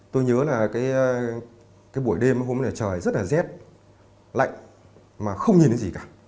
tôi nhớ là cái buổi đêm hôm nay trời rất là rét lạnh mà không nhìn thấy gì cả